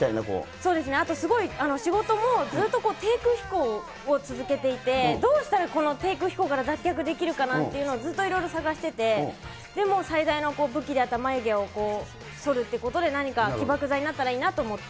そうですね、あと、仕事もずっと低空飛行を続けていて、どうしたらこの低空飛行から脱却できるかなっていうのをずっといろいろ探してて、でもう、最大の武器であった眉毛をそるってことで、何か起爆剤になったらいいなと思って。